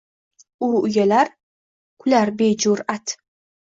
U uyalar, kular bejur’at: